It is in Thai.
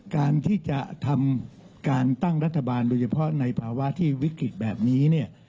การที่จะทำการตั้งรัฐบาลโดยเฉพาะในภาวะที่วิกฤตแบบนี้เนี่ย